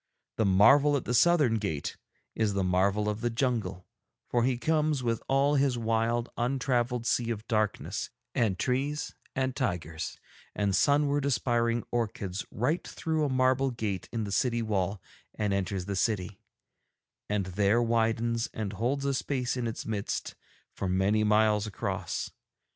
The marvel at the southern gate is the marvel of the jungle, for he comes with all his wild untravelled sea of darkness and trees and tigers and sunward aspiring orchids right through a marble gate in the city wall and enters the city, and there widens and holds a space in its midst of many miles across.